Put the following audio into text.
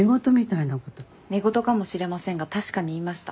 寝言かもしれませんが確かに言いました。